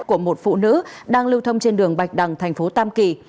của một phụ nữ đang lưu thông trên đường bạch đằng tp tam kỳ